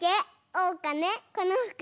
おうかねこのふく